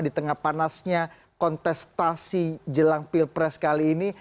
di tengah panasnya kontestasi jelang pilpres kali ini